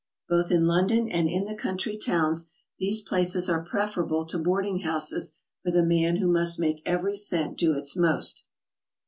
Both in London and in the country towns these places are preferable to boarding houses for the man who must make every cent do its most.